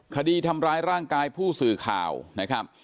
คดีทำร้ายร่างกายผู้สื่อข่าวนะครับ